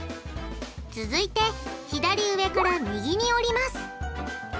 続いて左上から右に折ります。